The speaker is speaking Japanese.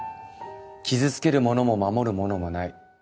傷つけるものも守るものもない。